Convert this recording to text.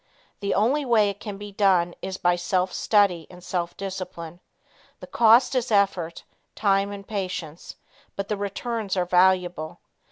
The only way it can be done is by self study and self discipline. The cost is effort, time and patience, but the returns are valuable.